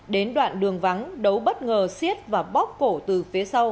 đến đoạn đường vắng đấu bất ngờ xiết và bóp cổ từ phía sau